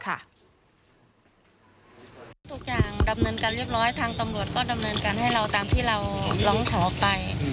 ทุกอย่างดำเนินการเรียบร้อยทางตำรวจก็ดำเนินการให้เราตามที่เราร้องขอไป